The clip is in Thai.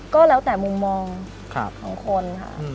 ก็แล้วแต่มุมมองของคนค่ะ